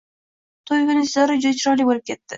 To`y kuni Sitora juda chiroyli bo`lib ketdi